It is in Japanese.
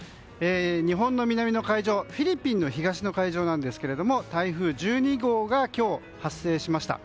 日本の南の海上フィリピンの東の海上なんですが台風１２号が今日発生しました。